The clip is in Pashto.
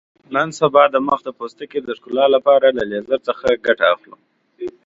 نن سبا د مخ د پوستکي د ښکلا لپاره له لیزر څخه ګټه اخلو.